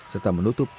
serta menutup tempur